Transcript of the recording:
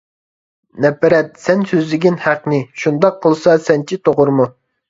نەپرەت سەن سۆزلىگىن ھەقنى، شۇنداق قىلسا سەنچە توغرىمۇ.